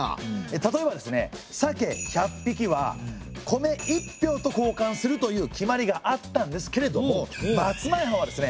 例えばですね鮭１００匹は米１俵とこうかんするという決まりがあったんですけれども松前藩はですね